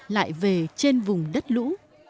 lại về trên vùng đất lũ